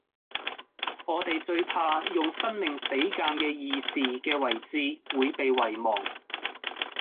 我地最怕用生命死諫既義士既遺志會被遺忘